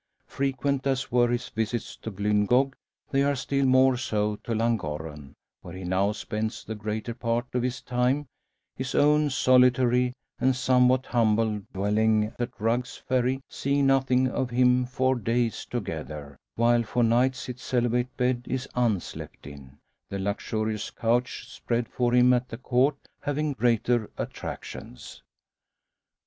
Frequent as were his visits to Glyngog, they are still more so to Llangorren, where he now spends the greater part of his time; his own solitary, and somewhat humble, dwelling at Rugg's Ferry seeing nothing of him for days together, while for nights its celibate bed is unslept in: the luxurious couch spread for him at the Court having greater attractions.